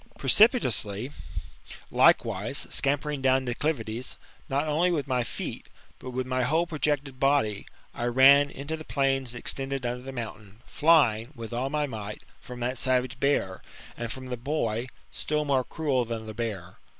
Precipitately, likewise, scampering down declivities, not only with my feet, but with my whole projected body, I ran into the plains extended under the mountain, flying, with all my might, from that savage bear, and from the boy, still more cruel than the bear.